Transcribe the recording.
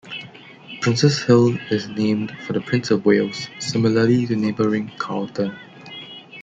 Princes Hill is named for the Prince of Wales, similarly to neighbouring Carlton.